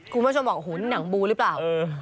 คุณผู้ชมบอกโอ้โหหนังบูหรือเปล่า